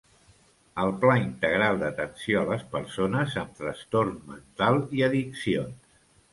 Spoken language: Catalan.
El Pla integral d'atenció a les persones amb trastorn mental i addiccions.